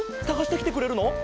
さがしてきてくれるの？